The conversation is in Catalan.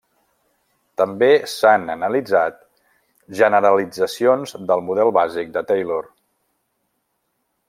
També s'han analitzat generalitzacions del model bàsic de Taylor.